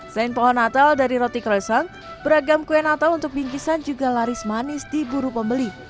selain pohon natal dari roti kroissant beragam kue natal untuk bingkisan juga laris manis di buru pembeli